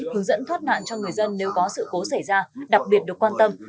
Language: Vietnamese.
hướng dẫn thoát nạn cho người dân nếu có sự cố xảy ra đặc biệt được quan tâm